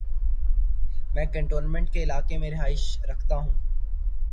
میں کینٹونمینٹ کے علاقے میں رہائش رکھتا ہوں۔